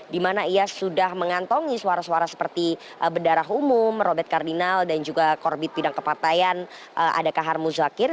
dimana ia sudah mengantongi suara suara seperti bendarah umum robert kardinal dan juga korbit bidang kepatayan adakahar muzakir